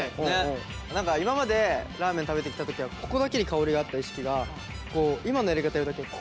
何か今までラーメン食べてきた時はここだけで香りがあった意識がこう今のやり方やるだけでこういう意識に。